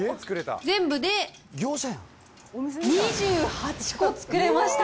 全部で２８個作れました。